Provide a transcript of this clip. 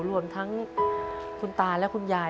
รวมทั้งคุณตาและคุณยาย